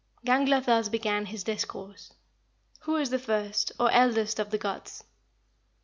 3. Gangler thus began his discourse: "'Who is the first, or eldest of the gods?"